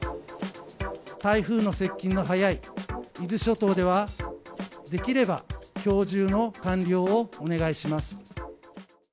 台風の接近の早い伊豆諸島では、できればきょう中の完了をお願いします。